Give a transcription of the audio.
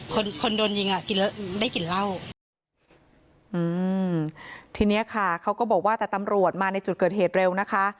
คนคนโดนยิงอ่ะกินแล้วได้กลิ่นเหล้าอืมทีเนี้ยค่ะเขาก็บอกว่าแต่ตำรวจมาในจุดเกิดเหตุเร็วนะคะ